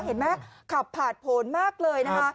เห็นไหมขับผ่านผลมากเลยนะคะ